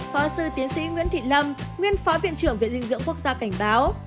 phó sư tiến sĩ nguyễn thị lâm nguyên phó viện trưởng viện dinh dưỡng quốc gia cảnh báo